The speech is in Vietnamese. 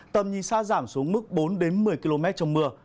tầm nhìn xa giảm xuống mức bốn đến một mươi km trong mưa